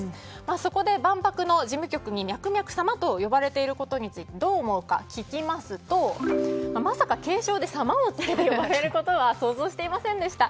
そこで万博の事務局にミャクミャク様と呼ばれていることについてどう思うか聞きますとまさか敬称で「様」を付けて呼ばれることは想像していませんでした。